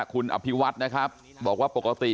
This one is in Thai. คุณอภิวัฒน์นะครับบอกว่าปกติ